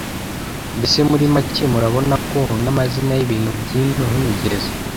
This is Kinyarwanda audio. Mbese muri make murabona ko n’amazina y’ibintu by’ino nk’imigezi